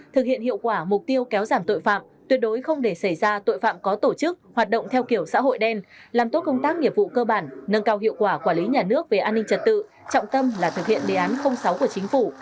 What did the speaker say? thực hiện hiệu quả mục tiêu kéo giảm tội phạm tuyệt đối không để xảy ra tội phạm có tổ chức hoạt động theo kiểu xã hội đen làm tốt công tác nghiệp vụ cơ bản nâng cao hiệu quả quản lý nhà nước về an ninh trật tự trọng tâm là thực hiện đề án sáu của chính phủ